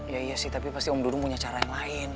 ya iya sih tapi pasti om dulu punya cara yang lain